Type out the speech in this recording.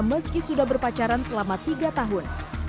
meski sudah berpacaran selama tiga tahun